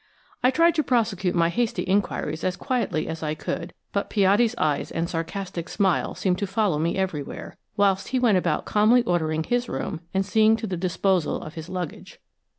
I tried to prosecute my hasty inquiries as quietly as I could, but Piatti's eyes and sarcastic smile seemed to follow me everywhere, whilst he went about calmly ordering his room and seeing to the disposal of his luggage.